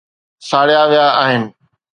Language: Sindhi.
ساڙيا ويا آهن